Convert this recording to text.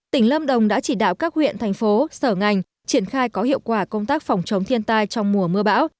tỉnh lâm đồng đã chỉ đạo các huyện thành phố sở ngành triển khai có hiệu quả công tác phòng chống thiên tai trong mùa mưa bão